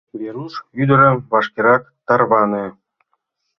— Веруш ӱдырем, вашкерак тарване!